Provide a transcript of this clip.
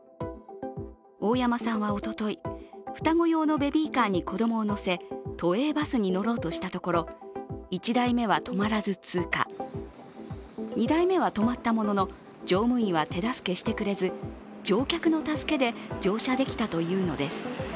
大山さんはおととい、双子用のベビーカーに子供を乗せ都営バスに乗ろうとしたところ１台目は止まらず通過、２台目は止まったものの乗務員は手助けしてくれず乗客の助けで乗車できたというのです。